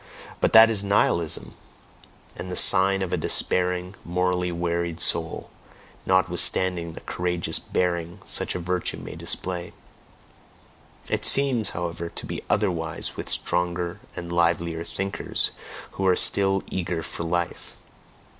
But that is Nihilism, and the sign of a despairing, mortally wearied soul, notwithstanding the courageous bearing such a virtue may display. It seems, however, to be otherwise with stronger and livelier thinkers who are still eager for life.